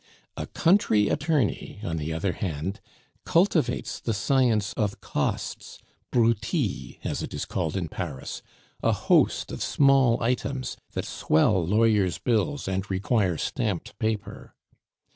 A country attorney, on the other hand, cultivates the science of costs, broutille, as it is called in Paris, a host of small items that swell lawyers' bills and require stamped paper.